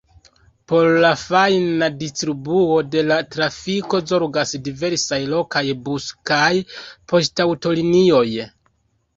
Por la fajna distribuo de la trafiko zorgas diversaj lokaj bus- kaj poŝtaŭtolinioj.